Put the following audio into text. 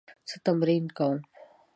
زه تمرین کوم